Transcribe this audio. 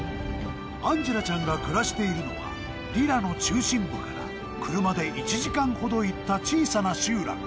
アンジェラちゃんが暮らしているのは、リラの中心部から車で１時間ほど行った小さな集落。